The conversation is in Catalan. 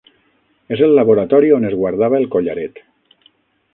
És el laboratori on es guardava el collaret.